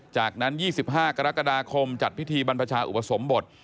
จากนั้น๒๕กรกฎาคมจัดพิธีบรรพชาอุปสมบท